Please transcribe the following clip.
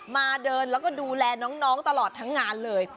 มาเดินแล้วก็ดูแลน้องตลอดทั้งงานเลย